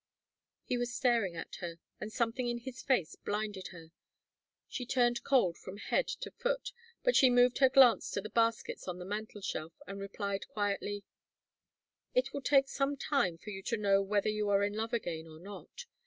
He was staring at her, and something in his face blinded her. She turned cold from head to foot; but she moved her glance to the baskets on the mantel shelf, and replied, quietly: "It will take some time for you to know whether you are in love again or not.